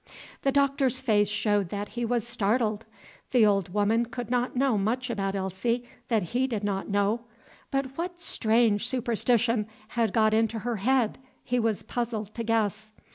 The Doctor's face showed that he was startled. The old woman could not know much about Elsie that he did not know; but what strange superstition had got into her head, he was puzzled to guess.